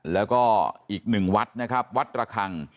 แล้วก็อีกหนึ่งวัดนะครับวัดระคัง